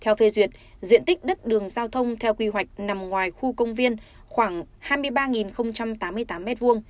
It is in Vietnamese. theo phê duyệt diện tích đất đường giao thông theo quy hoạch nằm ngoài khu công viên khoảng hai mươi ba tám mươi tám m hai